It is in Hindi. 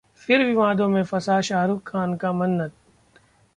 फिर विवादों में फंसा शाहरुख खान का 'मन्नत'